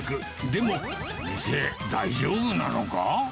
でも、店、大丈夫なのか？